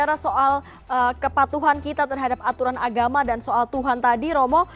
bicara soal kepatuhan kita terhadap aturan agama dan soal tuhan tadi romo